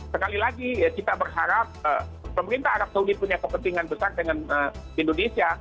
sekali lagi kita berharap pemerintah arab saudi punya kepentingan besar dengan indonesia